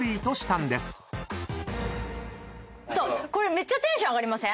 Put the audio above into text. めっちゃテンション上がりません？